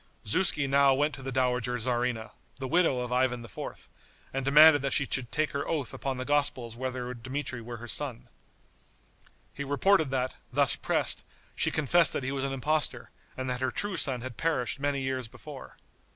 Zuski now went to the dowager tzarina, the widow of Ivan IV., and demanded that she should take her oath upon the Gospels whether Dmitri were her son. He reported that, thus pressed, she confessed that he was an impostor, and that her true son had perished many years before.